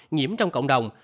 nhiễm trong cộng đồng